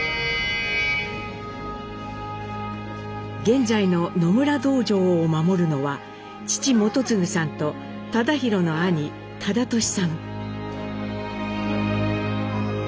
現在の野村道場を守るのは父基次さんと忠宏の兄忠寿さん。